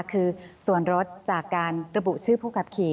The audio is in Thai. คือส่วนรถจากการระบุชื่อผู้ขับขี่